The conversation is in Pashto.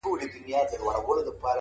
ځكه له يوه جوړه كالو سره راوتـي يــو،